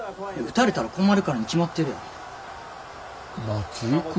打たれたら困るからに決まってるやろ。